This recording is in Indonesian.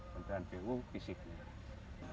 kementerian pu fisiknya